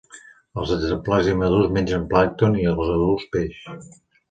Els exemplars immadurs mengen plàncton i els adults peix.